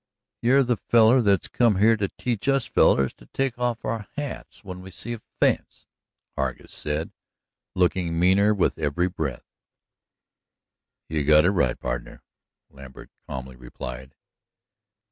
"You're the feller that's come here to teach us fellers to take off our hats when we see a fence," Hargus said, looking meaner with every breath. "You've got it right, pardner," Lambert calmly replied.